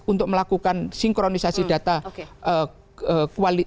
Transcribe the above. untuk melakukan sinkronisasi data